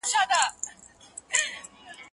زه بايد ليکلي پاڼي ترتيب کړم،